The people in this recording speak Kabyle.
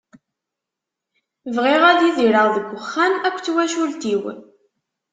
Bɣiɣ ad idireɣ deg uxxam akked twacult-iw.